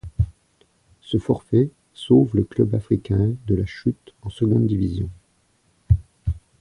Ce forfait sauve le Club africain de la chute en seconde division.